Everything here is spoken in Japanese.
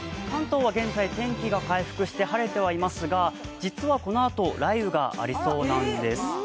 関東は現在、天気が回復して晴れてはいますが実はこのあと雷雨がありそうなんです。